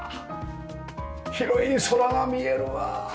広い空が見えるわ！